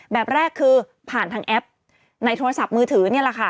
แบบแรกคือผ่านทางแอปในโทรศัพท์มือถือนี่แหละค่ะ